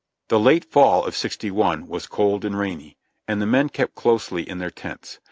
The late fall of '6i was cold and rainy, and the men kept closely in their tents.